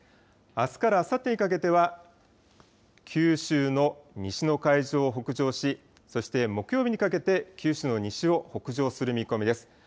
あすからあさってにかけては、九州の西の海上を北上し、そして木曜日にかけて九州の西を北上する見込みです。